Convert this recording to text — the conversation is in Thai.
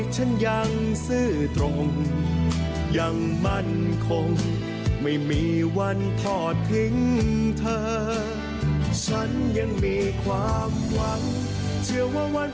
จับมือกันเดินข้ามมา